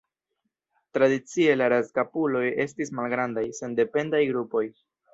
Tradicie, la razkapuloj estis malgrandaj, sendependaj grupoj.